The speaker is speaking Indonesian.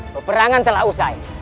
peperangan telah usai